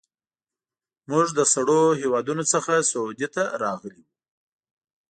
موږ له سړو هېوادونو څخه سعودي ته راغلي وو.